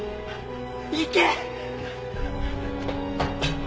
行け！